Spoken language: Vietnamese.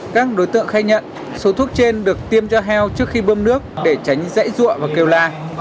các đối tượng khai nhận số thuốc trên được tiêm cho heo trước khi bơm nước để tránh rễa và kêu la